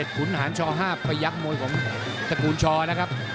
๑๒๗ขุนหาญชอ๕ประยักษณ์มวยของสกุลชอนะครับ